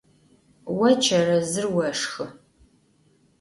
Vo çerezır voşşxı.